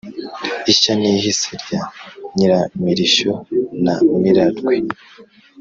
i shyanihise rya nyiramirishyo na mirarwe,